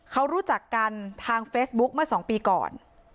เขารู้จักกันทางเฟซบุ๊กเมื่อ๒ปีก่อน